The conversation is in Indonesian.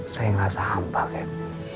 saya ngerasa hampa ken